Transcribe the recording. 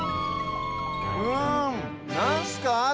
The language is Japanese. うんなんすかこれ？